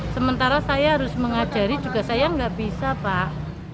sementara saya harus mengajari juga saya nggak bisa pak